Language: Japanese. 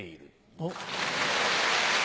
おっ。